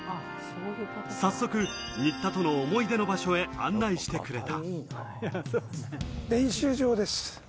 早速、新田との思い出の場所へ案内してくれた。